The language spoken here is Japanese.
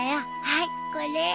はいこれ。